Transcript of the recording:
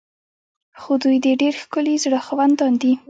خو دوی د ډیر ښکلي زړه خاوندان دي.